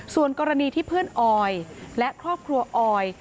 ส่วนกรณีที่เพื่อนออยและครอบครัวออย